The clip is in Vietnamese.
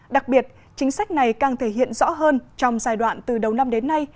đặc biệt chính sách này càng thể hiện rõ hơn trong giai đoạn từ đầu năm đến nay